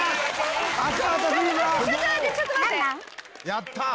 やったー！